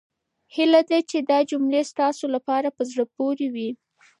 هيله ده چې دا جملې ستاسو لپاره په زړه پورې وي.